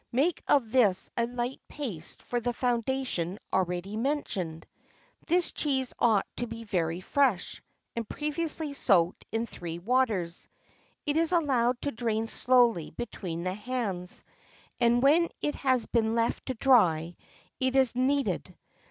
Make of this a light paste for the foundation already mentioned. This cheese ought to be very fresh, and previously soaked in three waters. It is allowed to drain slowly between the hands, and when it has been left to dry, it is kneaded.